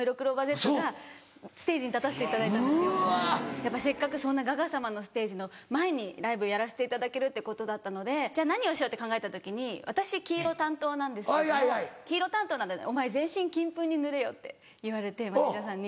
やっぱせっかくそんなガガ様のステージの前にライブをやらせていただけるってことだったのでじゃあ何をしようって考えた時に私黄色担当なんで「お前全身金粉に塗れよ」って言われてマネジャーさんに。